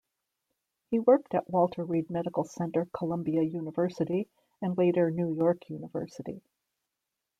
He worked at Walter Reed Medical Center Columbia University and later New York University.